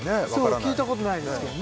聞いたことないですけどね